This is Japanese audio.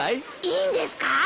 いいんですか？